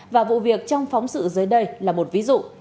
và vụ việc trong phóng sự dưới đây là một ví dụ